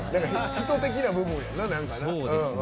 人的な部分やな。